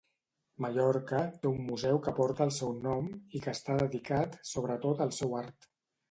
Mallorca té un museu que porta el seu nom i que està dedicat sobretot al seu art.